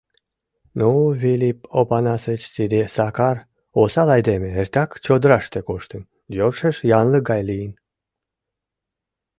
— Ну, Вилип Опанасыч, тиде Сакар — осал айдеме, эртак чодыраште коштын, йӧршеш янлык гай лийын.